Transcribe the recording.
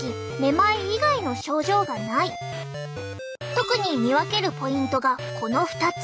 特に見分けるポイントがこの２つ。